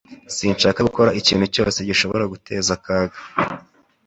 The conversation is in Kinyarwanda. Sinshaka gukora ikintu cyose gishobora guteza akaga